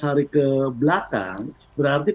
berarti penetapan calon presiden